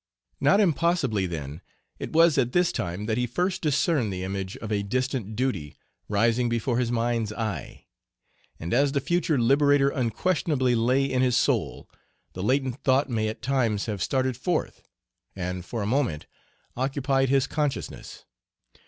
Not impossibly, then, it was at this time that he first discerned the image of a distant duty rising before his mind's Page 39 eye; and as the future liberator unquestionably lay in his soul, the latent thought may at times have started forth, and for a moment occupied his consciousness.